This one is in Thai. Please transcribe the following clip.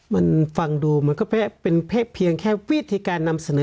มันฟังดูมันก็เป็นเพียงแค่วิธีการนำเสนอ